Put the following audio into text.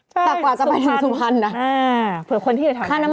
แต่กว่าจะไปถึงสุพรรณนะ